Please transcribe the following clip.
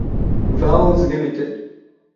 Vowles Ltd.